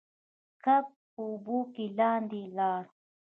کب په اوبو کې لاندې لاړ.